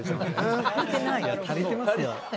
いや足りてますよ。